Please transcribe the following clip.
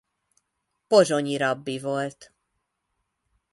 Pozsonyi rabbi volt.